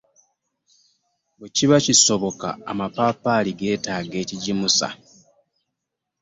Bwe kiba kisoboka amapaapaali getaaga ekigimusa.